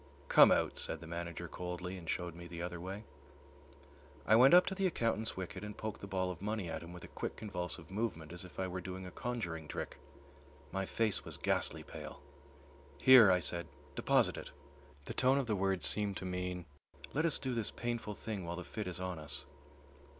"Come out," said the manager coldly, and showed me the other way. I went up to the accountant's wicket and poked the ball of money at him with a quick convulsive movement as if I were doing a conjuring trick. My face was ghastly pale. "Here," I said, "deposit it." The tone of the words seemed to mean, "Let us do this painful thing while the fit is on us."